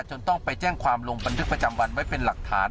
จนต้องไปแจ้งความลงบันทึกประจำวันไว้เป็นหลักฐาน